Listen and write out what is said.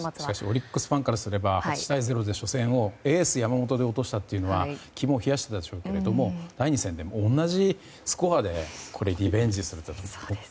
オリックスファンからすれば、８対０で初戦をエース山本で落としたのは肝を冷やしたでしょうが第２戦で同じスコアでリベンジするって